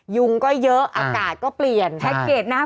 สวัสดีครับ